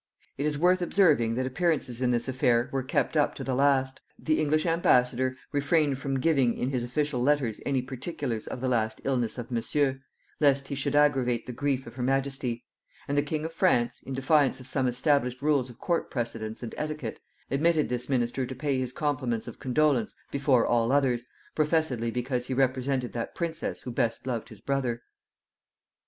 It is worth observing, that appearances in this affair were kept up to the last: the English ambassador refrained from giving in his official letters any particulars of the last illness of Monsieur, lest he should aggravate the grief of her majesty; and the king of France, in defiance of some established rules of court precedence and etiquette, admitted this minister to pay his compliments of condolence before all others, professedly because he represented that princess who best loved his brother.